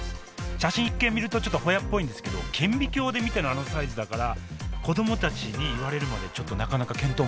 写真一見見るとちょっとホヤっぽいんですけど顕微鏡で見てのあのサイズだから子どもたちに言われるまでちょっとなかなか見当もつきませんでした。